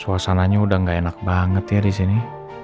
suasananya udah gak enak banget ya disini